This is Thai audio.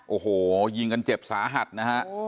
โอ้โหยิงกันเจ็บสาหัสนะฮะ